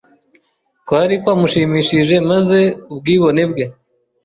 kwari kwamushimishije, maze ubwibone bwe